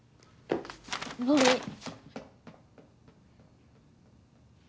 もういい。